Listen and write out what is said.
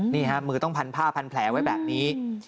นี่ฮะมือต้องพันผ้าพันแผลไว้แบบนี้